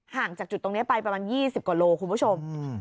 จากจุดตรงนี้ไปประมาณ๒๐กว่าโลคุณผู้ชม